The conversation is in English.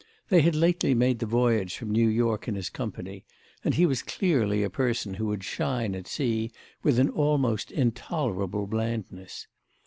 They had lately made the voyage from New York in his company, and he was clearly a person who would shine at sea with an almost intolerable blandness.